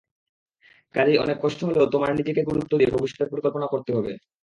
কাজেই অনেক কষ্ট হলেও তোমার নিজেকে গুরুত্ব দিয়ে ভবিষ্যতের পরিকল্পনা করতে হবে।